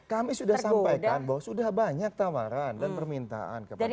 kami sudah sampaikan bahwa sudah banyak tawaran dan permintaan kepada